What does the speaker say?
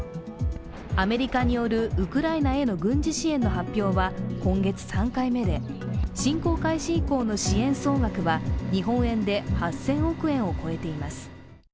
アメリカによるウクライナへの軍事支援の発表は今月３回目で、侵攻開始以降の支援総額は日本円で８０００億円を超えています。